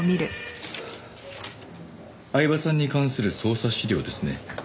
饗庭さんに関する捜査資料ですね。